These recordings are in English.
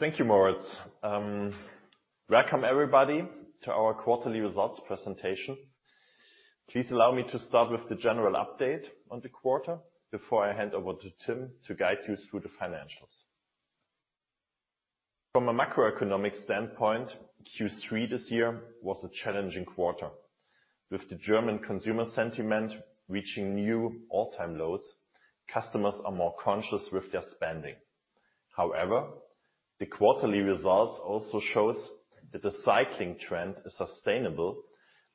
Thank you, Moritz. Welcome everybody to our quarterly results presentation. Please allow me to start with the general update on the quarter before I hand over to Tim to guide you through the financials. From a macroeconomic standpoint, Q3 this year was a challenging quarter, with the German consumer sentiment reaching new all-time lows. Customers are more conscious with their spending. However, the quarterly results also shows that the cycling trend is sustainable,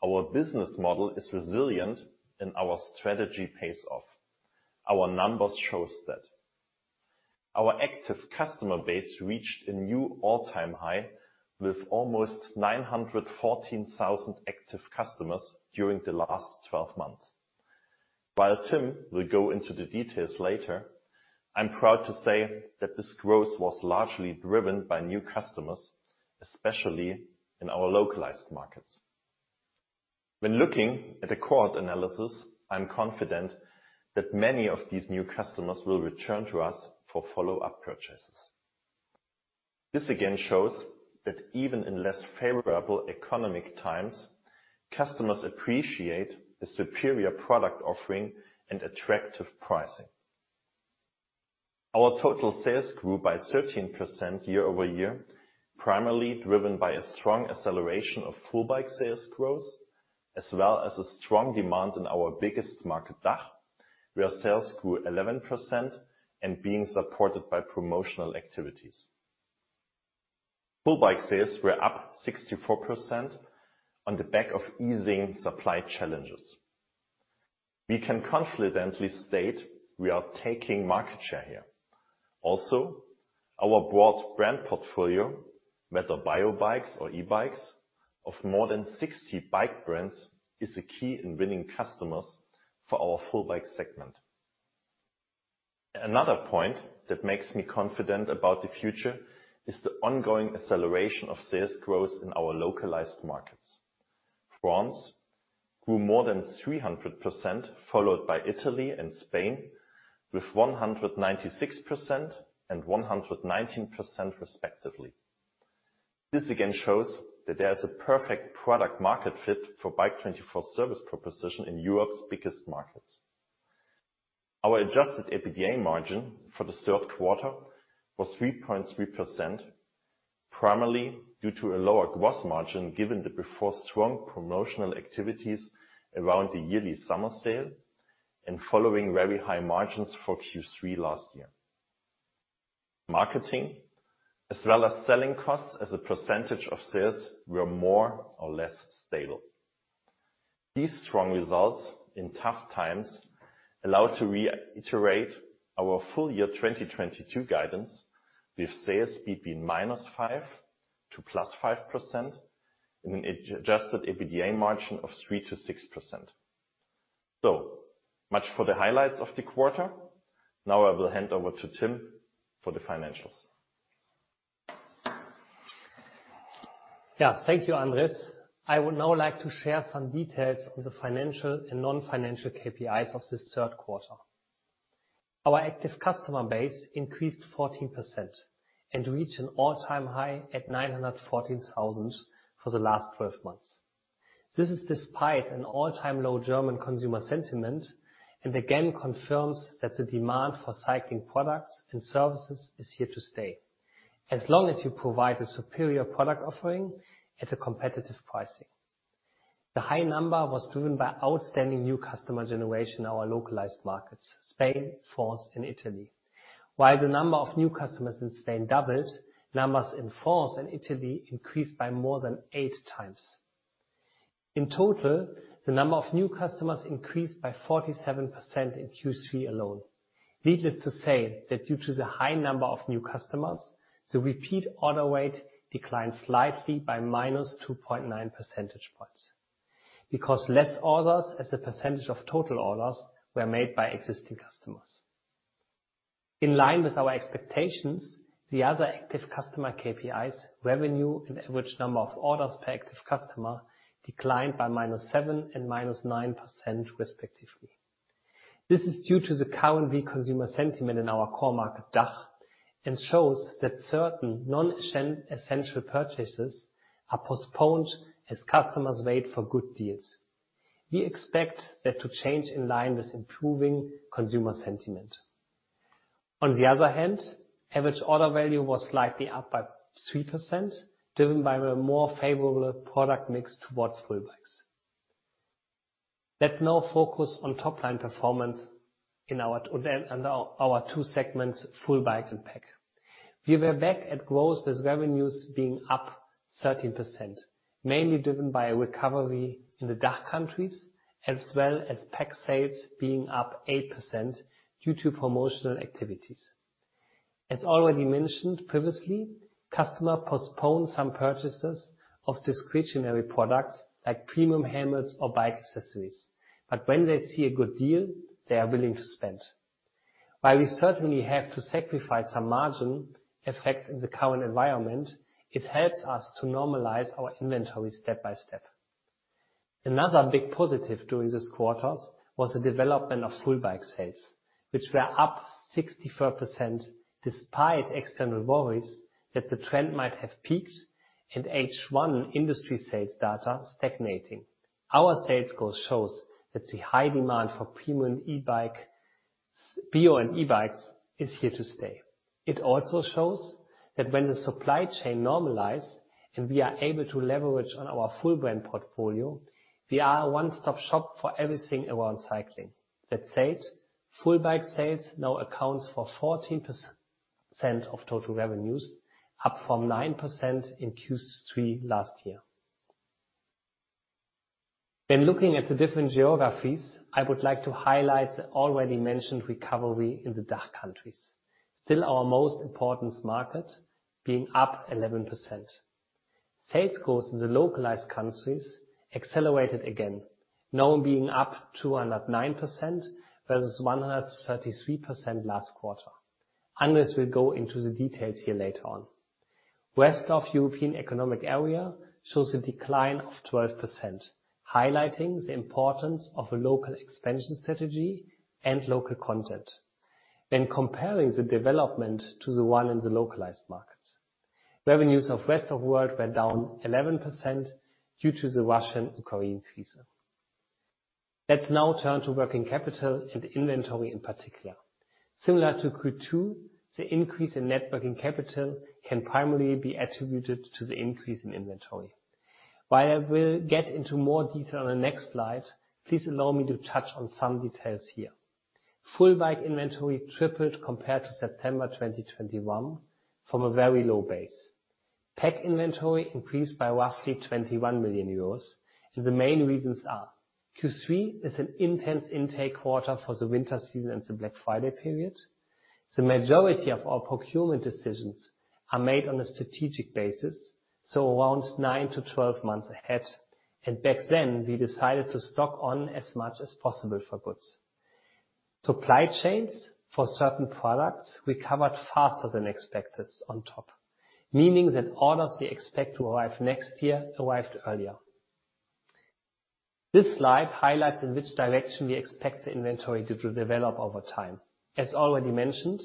our business model is resilient, and our strategy pays off. Our numbers shows that. Our active customer base reached a new all-time high with almost 914,000 active customers during the last 12 months. While Tim will go into the details later, I'm proud to say that this growth was largely driven by new customers, especially in our localized markets. When looking at the cohort analysis, I'm confident that many of these new customers will return to us for follow-up purchases. This again shows that even in less favorable economic times, customers appreciate the superior product offering and attractive pricing. Our total sales grew by 13% year-over-year, primarily driven by a strong acceleration of full-bike sales growth as well as a strong demand in our biggest market, DACH, where sales grew 11% and being supported by promotional activities. Full-bike sales were up 64% on the back of easing supply challenges. We can confidently state we are taking market share here. Also, our broad brand portfolio, whether road bikes or e-bikes of more than 60 bike brands, is a key in winning customers for our full-bike segment. Another point that makes me confident about the future is the ongoing acceleration of sales growth in our localized markets. France grew more than 300%, followed by Italy and Spain with 196% and 119% respectively. This again shows that there is a perfect product-market fit for Bike24 service proposition in Europe's biggest markets. Our adjusted EBITDA margin for the third quarter was 3.3%, primarily due to a lower gross margin, given the before strong promotional activities around the yearly summer sale and following very high margins for Q3 last year. Marketing as well as selling costs as a percentage of sales were more or less stable. These strong results in tough times allow to reiterate our full year 2022 guidance with sales -5% to +5% and an adjusted EBITDA margin of 3%-6%. Much for the highlights of the quarter. Now I will hand over to Tim for the financials. Yes. Thank you, Andrés. I would now like to share some details on the financial and non-financial KPIs of this third quarter. Our active customer base increased 14% and reached an all-time high at 914,000 for the last twelve months. This is despite an all-time low German consumer sentiment and again confirms that the demand for cycling products and services is here to stay as long as you provide a superior product offering at a competitive pricing. The high number was driven by outstanding new customer generation in our localized markets, Spain, France, and Italy. While the number of new customers in Spain doubled, numbers in France and Italy increased by more than 8 times. In total, the number of new customers increased by 47% in Q3 alone. Needless to say that due to the high number of new customers, the repeat order rate declined slightly by -2.9 percentage points because less orders as a percentage of total orders were made by existing customers. In line with our expectations, the other active customer KPIs, revenue, and average number of orders per active customer declined by -7% and -9% respectively. This is due to the current consumer sentiment in our core market, DACH, and shows that certain non-essential purchases are postponed as customers wait for good deals. We expect that to change in line with improving consumer sentiment. On the other hand, average order value was slightly up by 3%, driven by a more favorable product mix towards full bikes. Let's now focus on top-line performance under our two segments, full bike and PAC. We were back at growth with revenues being up 13%, mainly driven by a recovery in the DACH countries as well as PAC sales being up 8% due to promotional activities. As already mentioned previously, customers postponed some purchases of discretionary products like premium helmets or bike accessories, but when they see a good deal, they are willing to spend. While we certainly have to sacrifice some margin effect in the current environment, it helps us to normalize our inventory step by step. Another big positive during this quarter was the development of full-bike sales, which were up 64% despite external worries that the trend might have peaked in H1 industry sales data stagnating. Our sales growth shows that the high demand for premium e-bikes, road and e-bikes is here to stay. It also shows that when the supply chain normalize and we are able to leverage on our full brand portfolio, we are a one-stop shop for everything around cycling. That said, full bike sales now accounts for 14% of total revenues, up from 9% in Q3 last year. Looking at the different geographies, I would like to highlight the already mentioned recovery in the DACH countries. Still our most important market being up 11%. Sales growth in the localized countries accelerated again, now being up 209% versus 133% last quarter. Andrés will go into the details here later on. Rest of European Economic Area shows a decline of 12%, highlighting the importance of a local expansion strategy and local content when comparing the development to the one in the localized markets. Revenues of rest of world were down 11% due to the Russo-Ukraine crisis. Let's now turn to working capital and inventory in particular. Similar to Q2, the increase in net working capital can primarily be attributed to the increase in inventory. While I will get into more detail on the next slide, please allow me to touch on some details here. Full bike inventory tripled compared to September 2021 from a very low base. PAC inventory increased by roughly 21 million euros, and the main reasons are Q3 is an intense intake quarter for the winter season and the Black Friday period. The majority of our procurement decisions are made on a strategic basis, so around 9-12 months ahead, and back then we decided to stock up on as much as possible of goods. Supply chains for certain products recovered faster than expected on top, meaning that orders we expect to arrive next year arrived earlier. This slide highlights in which direction we expect the inventory to develop over time. As already mentioned,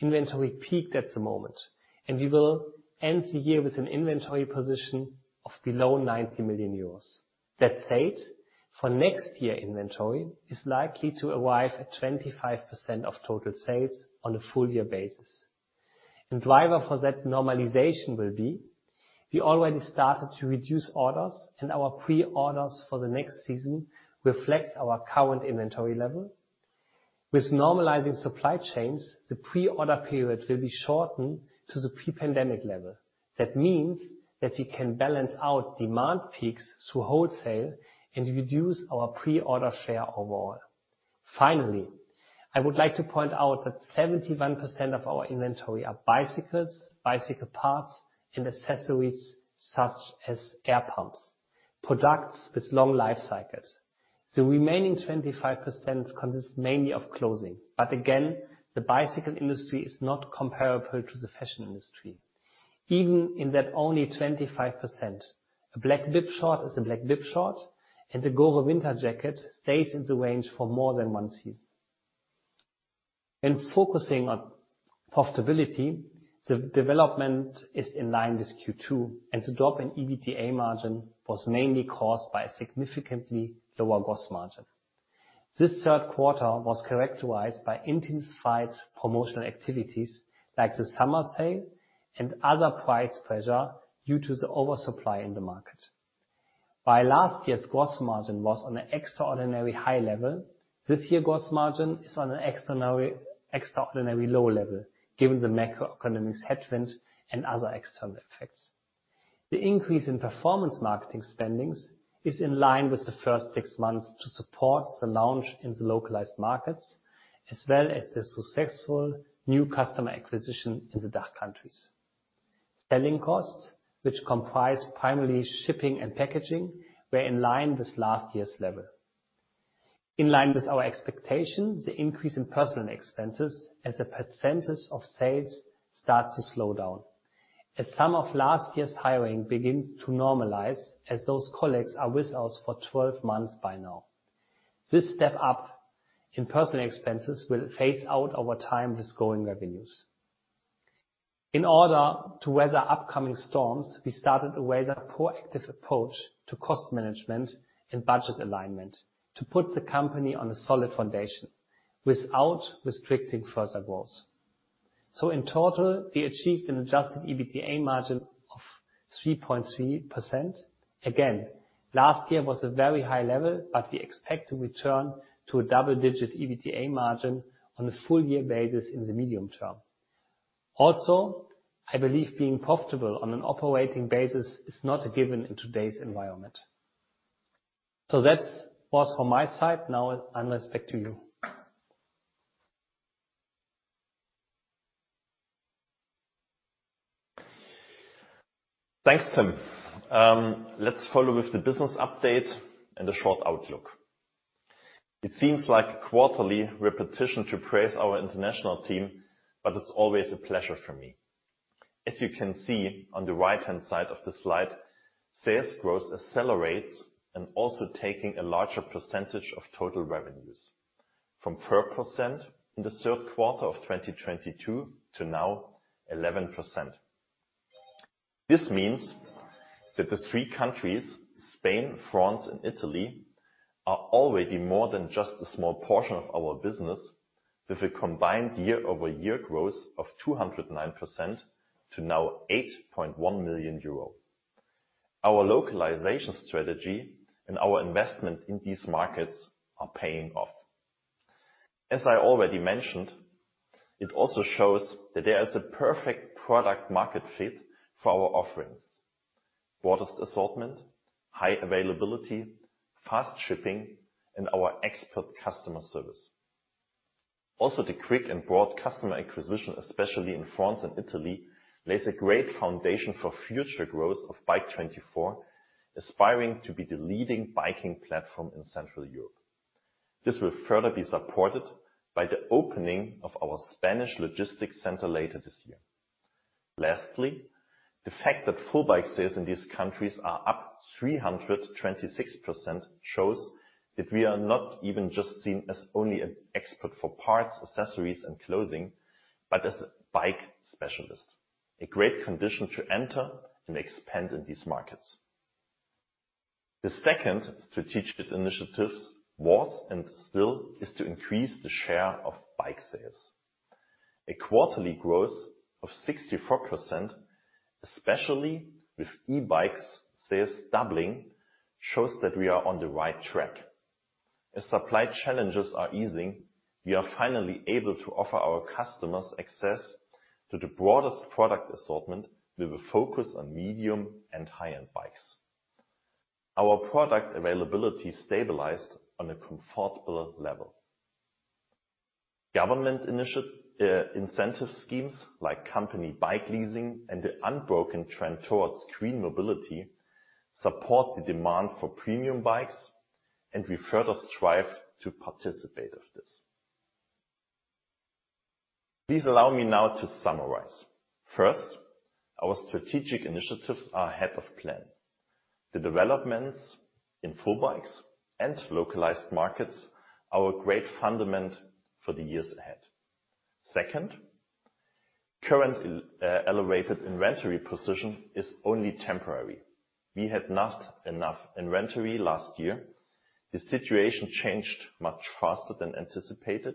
inventory peaked at the moment, and we will end the year with an inventory position of below 90 million euros. That said, for next year inventory is likely to arrive at 25% of total sales on a full year basis. Driver for that normalization will be, we already started to reduce orders, and our pre-orders for the next season reflects our current inventory level. With normalizing supply chains, the pre-order period will be shortened to the pre-pandemic level. That means that we can balance out demand peaks through wholesale and reduce our pre-order share overall. Finally, I would like to point out that 71% of our inventory are bicycles, bicycle parts and accessories such as air pumps, products with long life cycles. The remaining 25% consists mainly of clothing, but again, the bicycle industry is not comparable to the fashion industry. Even in that only 25%, a black bib short is a black bib short, and the GORE winter jacket stays in the range for more than one season. In focusing on profitability, the development is in line with Q2, and the drop in EBITDA margin was mainly caused by a significantly lower gross margin. This third quarter was characterized by intensified promotional activities like the summer sale and other price pressure due to the oversupply in the market. But last year's gross margin was on an extraordinary high level. This year gross margin is on an extraordinary low level given the macroeconomics headwind and other external effects. The increase in performance marketing spending is in line with the first six months to support the launch in the localized markets as well as the successful new customer acquisition in the DACH countries. Selling costs, which comprise primarily shipping and packaging, were in line with last year's level. In line with our expectation, the increase in personnel expenses as a percentage of sales start to slow down as some of last year's hiring begins to normalize as those colleagues are with us for 12 months by now. This step up in personnel expenses will phase out over time with growing revenues. In order to weather upcoming storms, we started with a proactive approach to cost management and budget alignment to put the company on a solid foundation without restricting further growth. In total, we achieved an adjusted EBITDA margin of 3.3%. Again, last year was a very high level, but we expect to return to a double-digit EBITDA margin on a full year basis in the medium term. Also, I believe being profitable on an operating basis is not a given in today's environment. That was from my side. Now, Andrés, back to you. Thanks, Tim. Let's follow with the business update and a short outlook. It seems like quarterly repetition to praise our international team, but it's always a pleasure for me. As you can see on the right-hand side of the slide, sales growth accelerates and also taking a larger percentage of total revenues from 4% in the third quarter of 2022 to now 11%. This means that the three countries, Spain, France, and Italy, are already more than just a small portion of our business, with a combined year-over-year growth of 209% to now 8.1 million euro. Our localization strategy and our investment in these markets are paying off. As I already mentioned, it also shows that there is a perfect product-market fit for our offerings, broadest assortment, high availability, fast shipping, and our expert customer service. The quick and broad customer acquisition, especially in France and Italy, lays a great foundation for future growth of Bike24, aspiring to be the leading biking platform in Central Europe. This will further be supported by the opening of our Spanish logistics center later this year. Lastly, the fact that full bike sales in these countries are up 326% shows that we are not even just seen as only an expert for parts, accessories, and clothing, but as a bike specialist, a great condition to enter and expand in these markets. The second strategic initiatives was and still is to increase the share of bike sales. A quarterly growth of 64%, especially with e-bikes sales doubling, shows that we are on the right track. As supply challenges are easing, we are finally able to offer our customers access to the broadest product assortment with a focus on medium and high-end bikes. Our product availability stabilized on a comfortable level. Government incentive schemes like company bike leasing and the unbroken trend towards green mobility support the demand for premium bikes, and we further strive to participate of this. Please allow me now to summarize. First, our strategic initiatives are ahead of plan. The developments in full bikes and localized markets are a great foundation for the years ahead. Second, current elevated inventory position is only temporary. We had not enough inventory last year. The situation changed much faster than anticipated,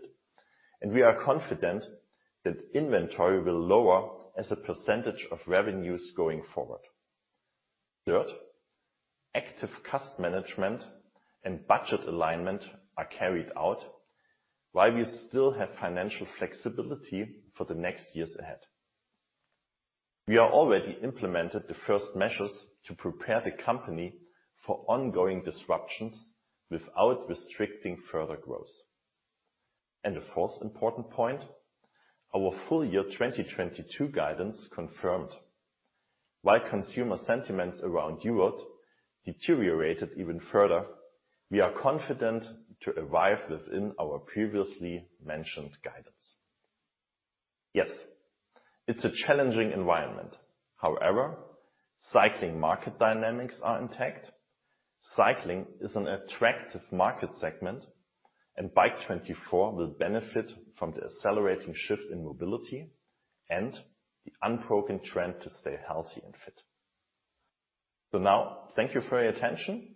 and we are confident that inventory will lower as a percentage of revenues going forward. Third, active cost management and budget alignment are carried out while we still have financial flexibility for the next years ahead. We have already implemented the first measures to prepare the company for ongoing disruptions without restricting further growth. The fourth important point, our full year 2022 guidance confirmed. While consumer sentiments around Europe deteriorated even further, we are confident to arrive within our previously mentioned guidance. Yes, it's a challenging environment. However, cycling market dynamics are intact. Cycling is an attractive market segment, and Bike24 will benefit from the accelerating shift in mobility and the unbroken trend to stay healthy and fit. Now thank you for your attention,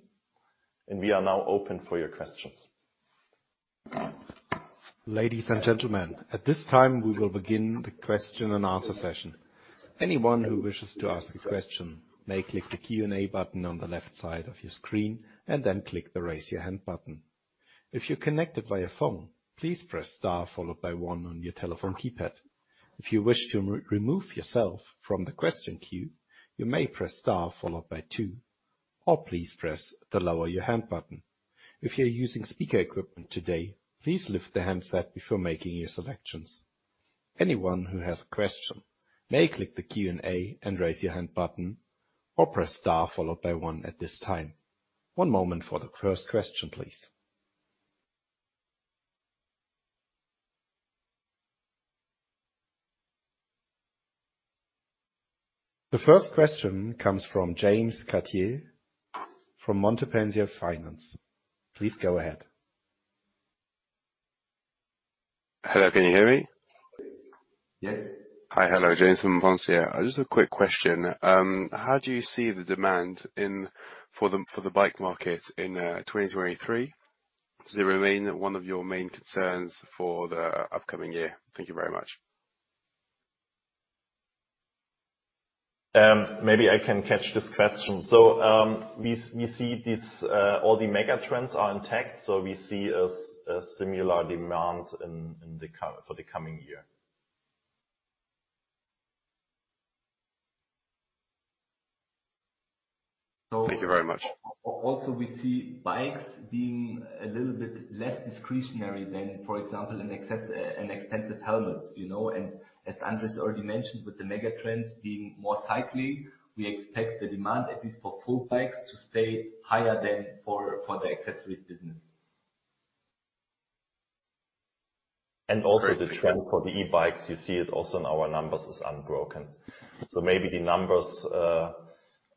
and we are now open for your questions. Ladies and gentlemen, at this time, we will begin the question and answer session. Anyone who wishes to ask a question may click the Q&A button on the left side of your screen and then click the Raise Your Hand button. If you're connected via phone, please press star followed by one on your telephone keypad. If you wish to remove yourself from the question queue, you may press star followed by two, or please press the Lower Your Hand button. If you're using speaker equipment today, please lift the handset before making your selections. Anyone who has a question may click the Q&A and Raise Your Hand button or press star followed by one at this time. One moment for the first question, please. The first question comes from James Chartier from Montpensier Finance. Please go ahead. Hello, can you hear me? Yes. Hi. Hello, James from Montpensier. Just a quick question. How do you see the demand for the bike market in 2023? Does it remain one of your main concerns for the upcoming year? Thank you very much. Maybe I can catch this question. We see this, all the mega trends are intact, we see a similar demand in the coming year. Thank you very much. Also, we see bikes being a little bit less discretionary than, for example, an expensive helmet, you know? As Andrés already mentioned, with the mega trends being more cycling, we expect the demand, at least for full bikes, to stay higher than for the accessories business. Also the trend for the e-bikes, you see it also in our numbers, is unbroken. Maybe the numbers are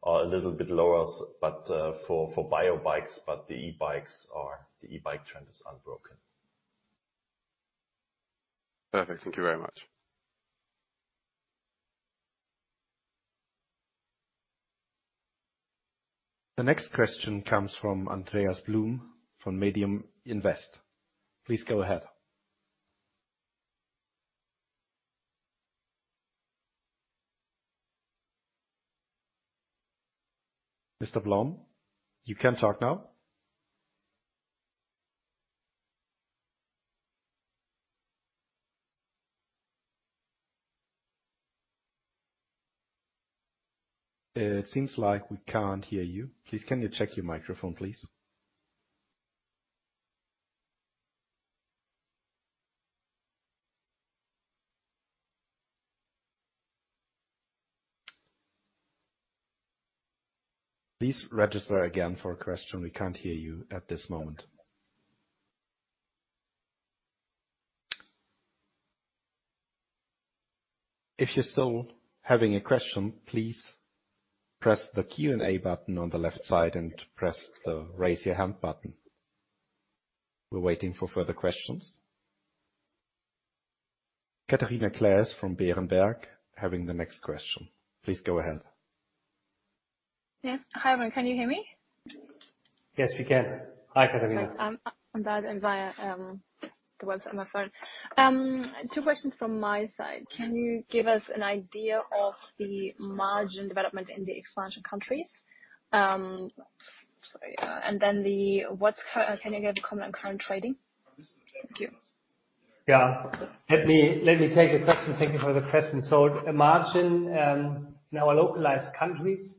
a little bit lower, but for road bikes, but the e-bike trend is unbroken. Perfect. Thank you very much. The next question comes from Andreas Blum from MediumInvest. Please go ahead. Mr. Blum, you can talk now. It seems like we can't hear you. Please, can you check your microphone, please? Please register again for a question. We can't hear you at this moment. If you're still having a question, please press the Q&A button on the left side and press the Raise Your Hand button. We're waiting for further questions. Catharina Claes from Berenberg having the next question. Please go ahead. Yes. Hi. Can you hear me? Yes, we can. Hi, Catharina. I'm on the line via the website on my phone. Two questions from my side. Can you give us an idea of the margin development in the expansion countries? Can you give a comment on current trading? Thank you. Yeah. Let me take the question. Thank you for the question. The margin in our localized countries,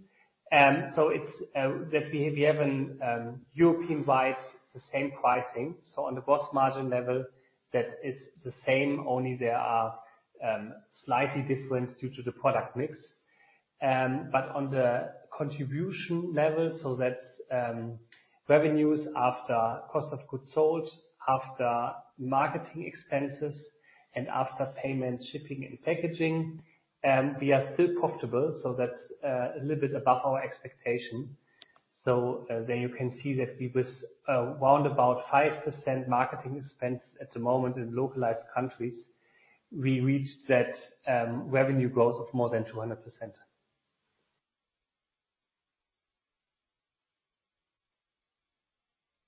it's that we have an European-wide the same pricing. On the gross margin level, that is the same, only there are slight differences due to the product mix. On the contribution level, that's revenues after cost of goods sold, after marketing expenses and after payment, shipping, and packaging, we are still profitable, that's a little bit above our expectation. There you can see that we was round about 5% marketing expense at the moment in localized countries. We reached that revenue growth of more than 200%.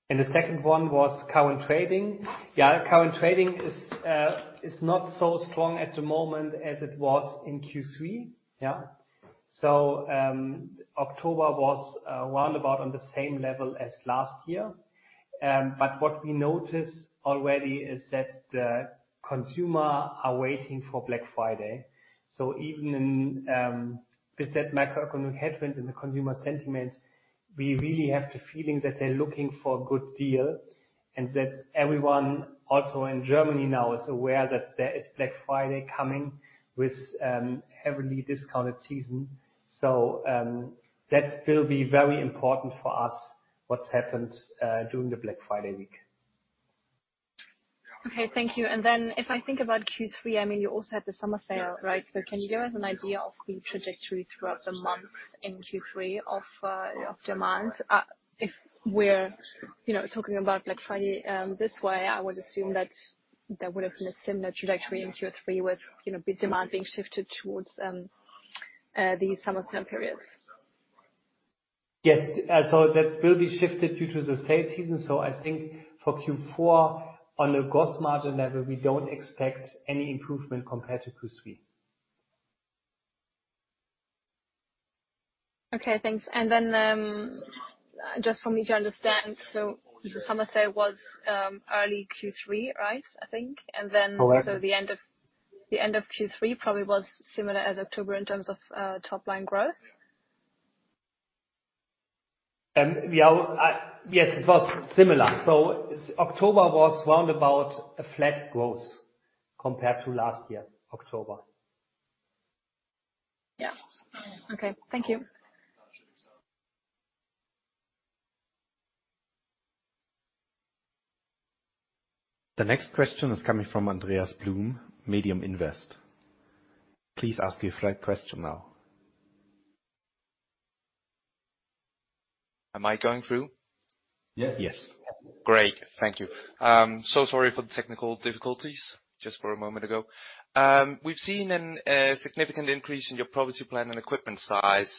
The second one was current trading. Yeah. Current trading is not so strong at the moment as it was in Q3. Yeah. October was round about on the same level as last year. What we noticed already is that the consumer are waiting for Black Friday. Even in with that macroeconomic headwind and the consumer sentiment, we really have the feeling that they're looking for a good deal, and that everyone also in Germany now is aware that there is Black Friday coming with heavily discounted season. That will be very important for us, what's happened during the Black Friday week. Okay. Thank you. If I think about Q3, I mean, you also had the summer sale, right? Can you give us an idea of the trajectory throughout the month in Q3 of demand? If we're, you know, talking about Black Friday this way, I would assume that there would have been a similar trajectory in Q3 with, you know, the demand being shifted towards the summer sale periods. Yes. That will be shifted due to the sale season. I think for Q4, on a gross margin level, we don't expect any improvement compared to Q3. Okay. Thanks. Just for me to understand, so the summer sale was early Q3, right? I think. Correct. The end of Q3 probably was similar as October in terms of top line growth. Yes, it was similar. October was around about a flat growth compared to last year, October. Yeah. Okay. Thank you. The next question is coming from Andreas Blum, MediumInvest. Please ask your question now. Am I going through? Yeah. Yes. Great. Thank you. Sorry for the technical difficulties just for a moment ago. We've seen a significant increase in your property, plant and equipment size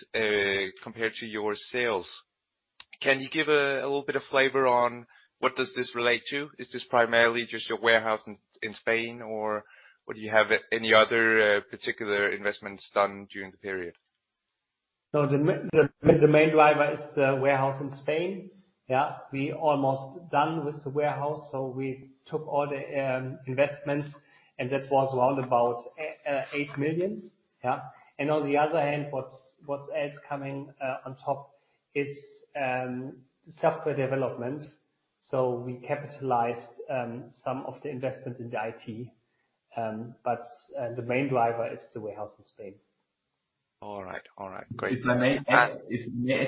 compared to your sales. Can you give a little bit of flavor on what does this relate to? Is this primarily just your warehouse in Spain, or would you have any other particular investments done during the period? No. The main driver is the warehouse in Spain. Yeah. We almost done with the warehouse, so we took all the investments, and that was around about 8 million. Yeah. On the other hand, what else coming on top is software development. We capitalized some of the investment in the IT. The main driver is the warehouse in Spain. All right, great. If I may add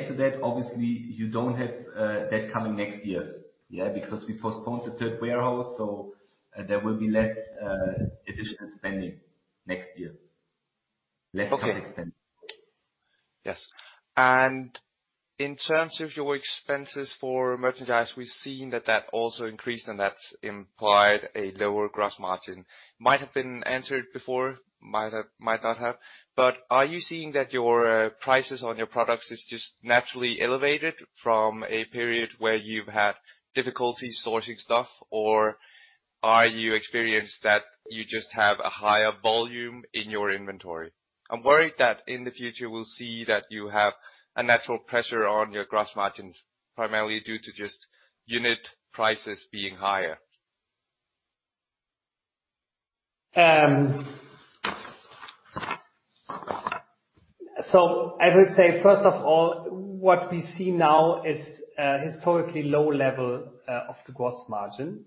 to that, obviously, you don't have that coming next year, yeah? Because we postponed the third warehouse, so there will be less additional spending next year. Less capex spend. Yes. In terms of your expenses for merchandise, we've seen that also increased and that's implied a lower gross margin. Might have been answered before, might not have. Are you seeing that your prices on your products is just naturally elevated from a period where you've had difficulty sourcing stuff? Or are you experienced that you just have a higher volume in your inventory? I'm worried that in the future, we'll see that you have a natural pressure on your gross margins, primarily due to just unit prices being higher. I would say, first of all, what we see now is a historically low level of the gross margin.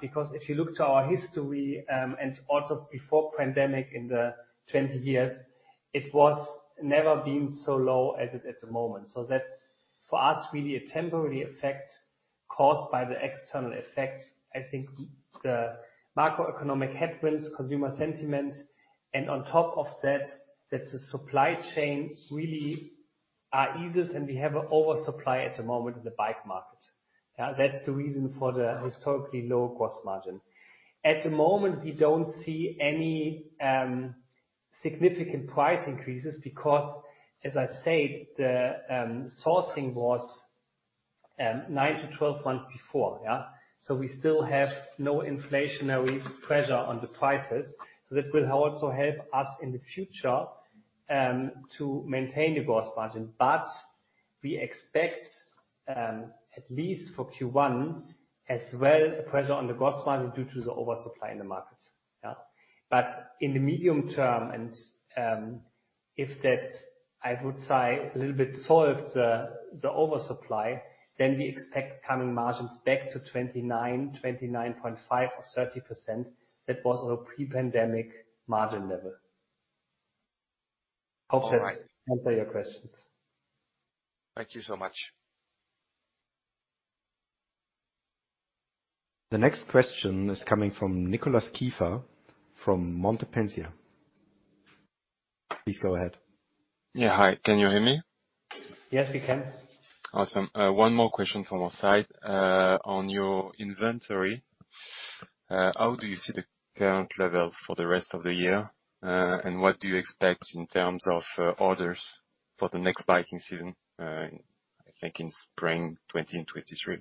Because if you look to our history, and also before pandemic in the 20 years, it was never been so low as it is at the moment. That's, for us, really a temporary effect caused by the external effects. I think the macroeconomic headwinds, consumer sentiment, and on top of that, the supply chain issues are easing and we have oversupply at the moment in the bike market. That's the reason for the historically low gross margin. At the moment, we don't see any significant price increases because as I said, the sourcing was 9-12 months before. We still have no inflationary pressure on the prices. That will also help us in the future to maintain the gross margin. We expect at least for Q1 as well a pressure on the gross margin due to the oversupply in the market, yeah. In the medium term, and if that I would say a little bit solved the oversupply, then we expect coming margins back to 29.5 or 30%. That was our pre-pandemic margin level. All right. Hope that answers your questions. Thank you so much. The next question is coming from Nicolas Kieffer, from Montpensier. Please go ahead. Yeah. Hi, can you hear me? Yes, we can. Awesome. One more question from our side. On your inventory, how do you see the current level for the rest of the year? What do you expect in terms of orders for the next biking season, I think in spring 2023?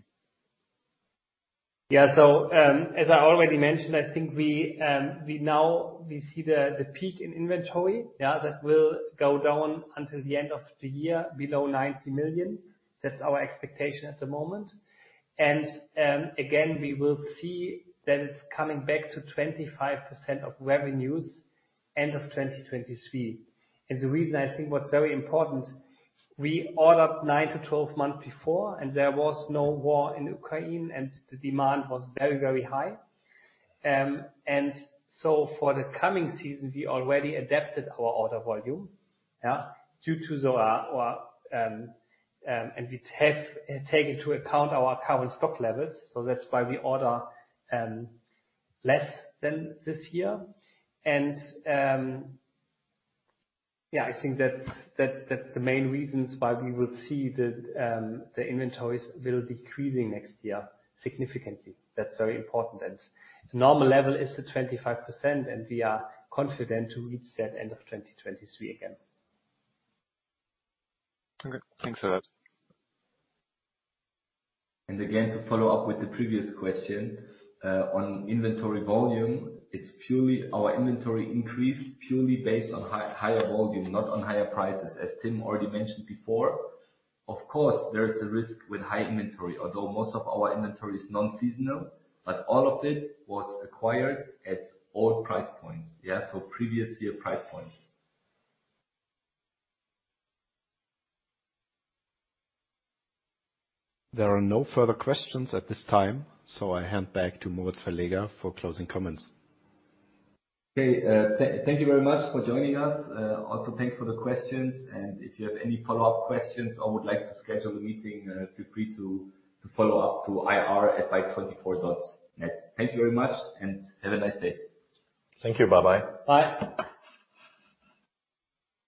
Yeah. As I already mentioned, I think we see the peak in inventory, yeah, that will go down until the end of the year below 90 million. That's our expectation at the moment. Again, we will see that it's coming back to 25% of revenues end of 2023. The reason I think what's very important, we ordered 9-12 months before, and there was no war in Ukraine, and the demand was very, very high. For the coming season, we already adapted our order volume, yeah. Due to the, we have taken into account our current stock levels. That's why we order less than this year. I think that's the main reasons why we will see the inventories decrease next year significantly. That's very important. The normal level is 25%, and we are confident to reach that at the end of 2023 again. Okay, thanks a lot. Again, to follow up with the previous question, on inventory volume, it's purely our inventory increased purely based on higher volume, not on higher prices, as Tim already mentioned before. Of course, there is a risk with high inventory, although most of our inventory is non-seasonal, but all of it was acquired at old price points, yeah. Previous year price points. There are no further questions at this time, so I hand back to Moritz Verleger for closing comments. Okay. Thank you very much for joining us. Also, thanks for the questions. If you have any follow-up questions or would like to schedule a meeting, feel free to follow up to ir@bike24.net. Thank you very much and have a nice day. Thank you. Bye-bye. Bye.